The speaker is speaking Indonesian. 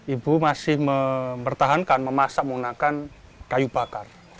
ibu masih mempertahankan memasak menggunakan kayu bakar